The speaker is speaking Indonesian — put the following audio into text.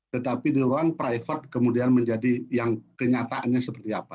tetapi di ruang private kemudian menjadi yang kenyataannya seperti apa